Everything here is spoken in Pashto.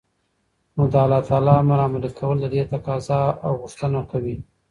نو دالله تعالى امر عملي كول ددې تقاضا او غوښتنه كوي